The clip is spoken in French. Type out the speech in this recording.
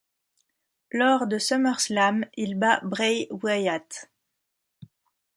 Lors de SummerSlam, il bat Bray Wyatt.